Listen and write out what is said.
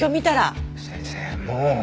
先生もう。